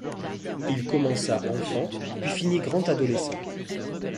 Il commença enfant, puis finit grand adolescent.